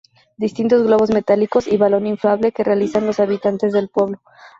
Distintos globos metálicos y balón inflable que realizan los habitantes del pueblo.